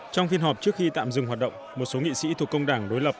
trong phiên họp trước khi tạm dừng hoạt động một số nghị sĩ thuộc công đảng đối lập